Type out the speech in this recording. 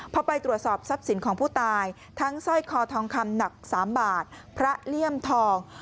พอไปตรวจสอบทรัพย์สินของผู้ตายทั้งสร้อยคอทองคำหนัก๓บาทพระเลี่ยมทอง